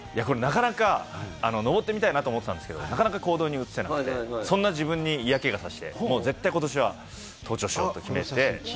登ってみたいと思ってたんですけれど、なかなか行動に移せなくて、そんな自分に嫌気がさして、ことしは絶対登頂しようと思って。